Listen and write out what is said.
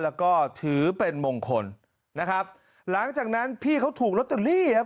แล้วก็ถือเป็นมงคลนะครับหลังจากนั้นพี่เขาถูกลอตเตอรี่ครับ